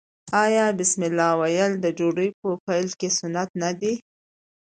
آیا بسم الله ویل د ډوډۍ په پیل کې سنت نه دي؟